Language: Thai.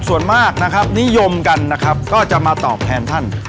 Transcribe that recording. ส่วนมากนิยมกันก็จะมาตอบแทนท่าน